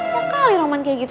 kok kali roman kayak gitu